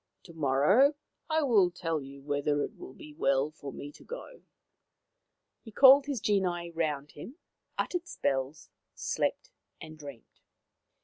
" To morrow I will tell you whether it will be well for me to go." He called his genii round him, uttered spells, slept, and dreamed.